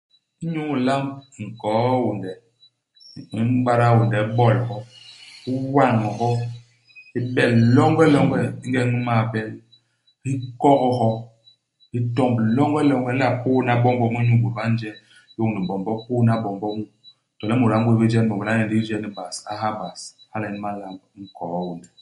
Inyu ilamb nkoo-hiônde, u m'bada hiônde, u bol hyo. U wañ hyo, hi bel longelonge. Ingeñ hi m'mal bel, u kok hyo, hi tomb longelonge. U nla pôdna bombo mu inyu ibôt ba nje lôñni bombo. U pôdna bombo mu. To le imut a ngwés bé je ni bombo a ñee ndigi je ni bas, a ha bas. Hala nyen ba nlamb nkoo-hiônde.